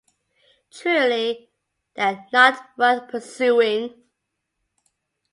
Truly, they are not worth pursuing.